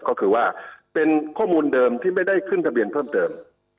ก็คือว่าเป็นข้อมูลเดิมที่ไม่ได้ขึ้นทะเบียนเพิ่มเติม